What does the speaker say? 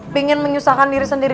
pingin menyusahkan diri sendiri